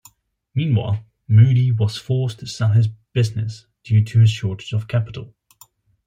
Meanwhile, Moody was forced to sell his business, due to a shortage of capital.